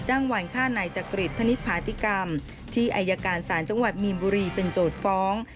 หวานฆ่านายจักริตพนิษฐาติกรรมที่อายการศาลจังหวัดมีนบุรีเป็นโจทย์ฟ้อง